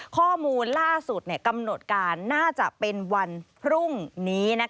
ข้อมูลล่าสุดกำหนดการน่าจะเป็นวันพรุ่งนี้